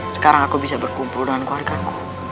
sekarang aku bisa berkumpul dengan keluarga ku